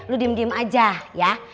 lu diem diem aja ya